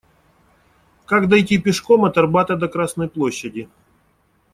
Как дойти пешком от Арбата до Красной Площади?